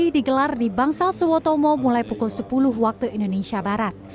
digelar di bangsal suwotomo mulai pukul sepuluh waktu indonesia barat